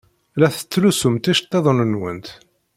La tettlusumt iceḍḍiḍen-nwent.